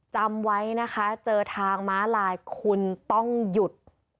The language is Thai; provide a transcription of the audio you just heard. จำไว้นะคะเจอทางม้าลายคุณต้องหยุด